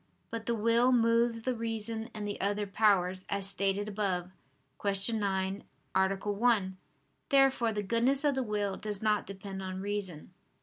But the will moves the reason and the other powers, as stated above (Q. 9, A. 1). Therefore the goodness of the will does not depend on reason.